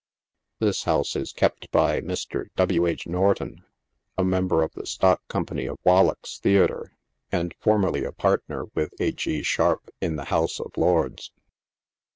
This house is kept by Mr. W. H. Norton, a member of the stock company at Wallack's Theatre, and formerly a partner with H. E. Sharp in the House of Lords.